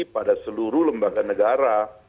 pada seluruh lembaga negara